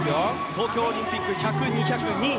東京オリンピック１００、２００で２位。